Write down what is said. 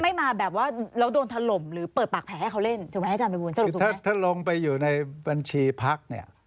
ไม่มาบอกว่าเราโดนทะลมถ้าลงไปอยู่ในบัญชีพักเนี่ย